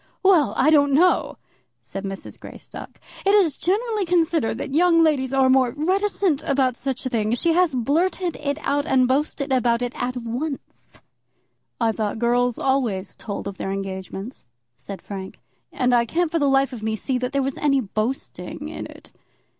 "Well, I don't know," said Mrs. Greystock. "It is generally considered that young ladies are more reticent about such things. She has blurted it out and boasted about it at once." "I thought girls always told of their engagements," said Frank, "and I can't for the life of me see that there was any boasting in it."